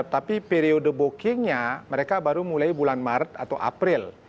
tapi periode bookingnya mereka baru mulai bulan maret atau april